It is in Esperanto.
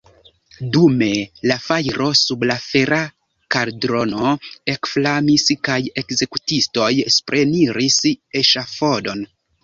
Dume la fajro sub la fera kaldrono ekflamis, kaj ekzekutistoj supreniris eŝafodon.